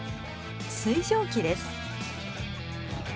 水蒸気です。